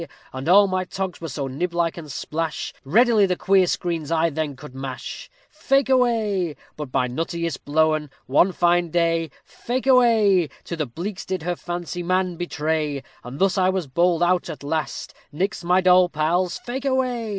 _ All my togs were so niblike and splash, Readily the queer screens I then could smash; Fake away. But my nuttiest blowen, one fine day, Fake away, To the beaks did her fancy man betray, And thus was I bowled out at last _Nix my doll pals, fake away.